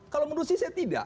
kalau menurut saya tidak